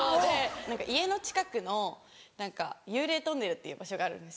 家の近くの幽霊トンネルっていう場所があるんです。